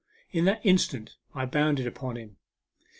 In that instant I bounded upon "him.